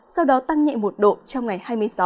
sau đó tăng nhẹ một độ trong ngày hai mươi sáu